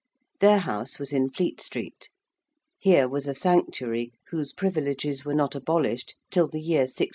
Their House was in Fleet Street. Here was a sanctuary whose privileges were not abolished till the year 1697.